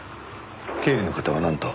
経理の方はなんと？